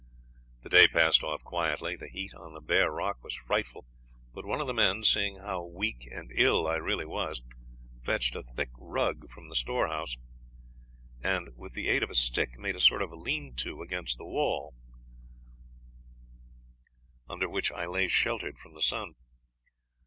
The day passed off quietly. The heat on the bare rock was frightful, but one of the men, seeing how weak and ill I really was, fetched a thick rug from the storehouse, and with the aid of a stick made a sort of lean to against the wall, under which I lay sheltered from the sun.